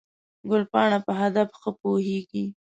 ګلپاڼه په هدف ښه پوهېږي.